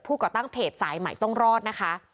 ก่อตั้งเพจสายใหม่ต้องรอดนะคะ